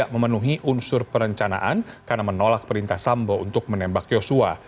memenuhi unsur perencanaan karena menolak perintah sambo untuk menembak yosua